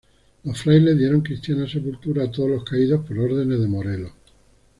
Los frailes dieron cristiana sepultura a todos los caídos por órdenes de Morelos.